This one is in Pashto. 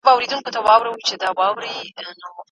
دغو ناستو به د هیواد په تاریخ کي د عظمت بابونه پرانیستل.